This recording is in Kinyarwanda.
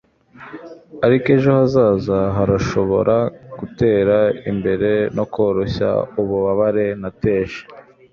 ariko ejo hazaza harashobora gutera imbere no koroshya ububabare nateje